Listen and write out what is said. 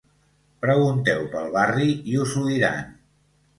Pregunteu pel barri i us ho diran.